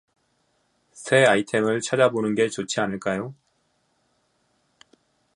새 아이템을 찾아 보는 게 좋지 않을까요?